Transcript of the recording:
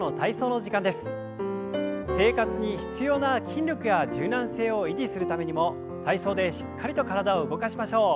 生活に必要な筋力や柔軟性を維持するためにも体操でしっかりと体を動かしましょう。